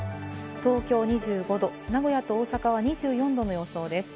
東京は２５度、名古屋と大阪は２４度の予想です。